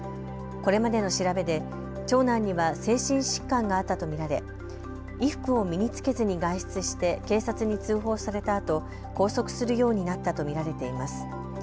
これまでの調べで長男には精神疾患があったと見られ衣服を身に着けずに外出して警察に通報されたあと、拘束するようになったと見られています。